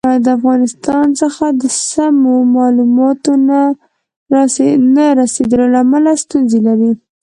د افغانستان څخه د سمو معلوماتو نه رسېدلو له امله ستونزې لري.